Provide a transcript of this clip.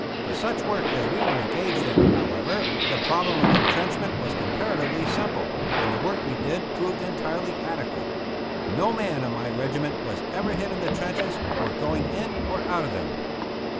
For such work as we were engaged in, however, the problem of intrenchment was comparatively simple, and the work we did proved entirely adequate. No man in my regiment was ever hit in the trenches or going in or out of them.